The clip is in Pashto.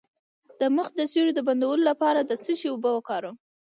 د مخ د سوریو د بندولو لپاره د څه شي اوبه وکاروم؟